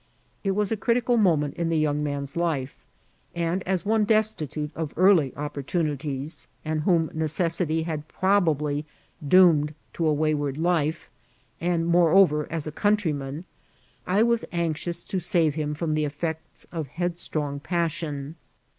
It was a critical moment in the young man's life ; and, as one destitute of early op portunities, and whom necessity had probably do<Mned to a wayward Ufe, and, moreover, as a countryman, I was anxious to save him from the effiscts of headstrong passion.